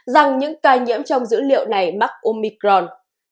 rằng những ca nhiễm trong dữ liệu này mắc omicron